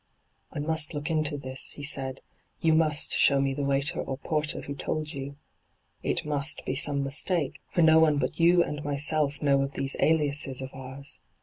' I must look into this,' he said, ' You must show me the waiter or porter who told you. It must be some mistake, for no one but yon and myself know of these aliases of ours.